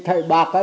thầy gặp con người